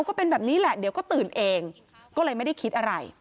ก็เป็นแบบนี้แหละเดี๋ยวก็ตื่นเองก็เลยไม่ได้คิดอะไร